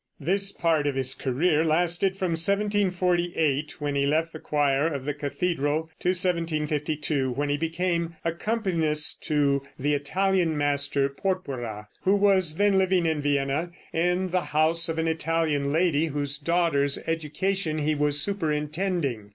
This part of his career lasted from 1748, when he left the choir of the cathedral, to 1752, when he became accompanist to the Italian master, Porpora, who was then living in Vienna in the house of an Italian lady, whose daughter's education he was superintending.